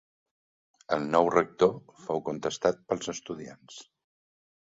El nou rector fou contestat pels estudiants.